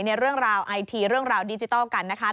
ในเรื่องราวไอทีเรื่องราวดิจิทัลกันนะคะ